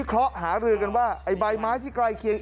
เพราะหารือกันว่าไอ้ใบไม้ที่ใกล้เคียง